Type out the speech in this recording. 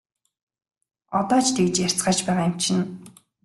Одоо ч тэгж ярьцгааж байгаа юм чинь!